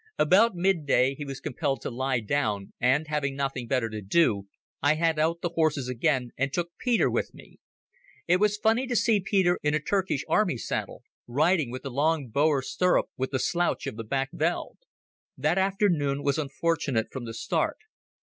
About midday he was compelled to lie down, and having nothing better to do I had out the horses again and took Peter with me. It was funny to see Peter in a Turkish army saddle, riding with the long Boer stirrup and the slouch of the backveld. That afternoon was unfortunate from the start.